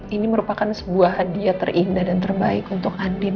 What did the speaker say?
ini merupakan sebuah hadiah terindah dan terbaik untuk adin